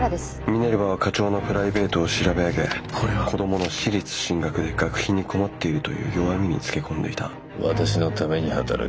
ミネルヴァは課長のプライベートを調べ上げ子どもの私立進学で学費に困っているという弱みにつけ込んでいた私のために働け。